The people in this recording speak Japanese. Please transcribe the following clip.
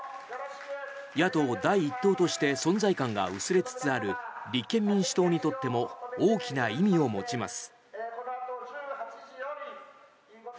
野党第１党として存在感が薄れつつある立憲民主党にとっても大きな意味を持ちます。